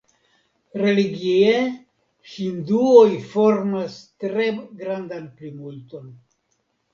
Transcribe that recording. Religie hinduoj formas tre grandan plimulton.